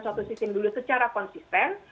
suatu sistem dulu secara konsisten